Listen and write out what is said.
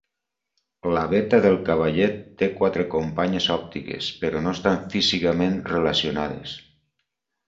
La Beta del Cavallet té quatre companyes òptiques, però no estan físicament relacionades.